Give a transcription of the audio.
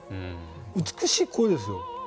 美しい声ですよ。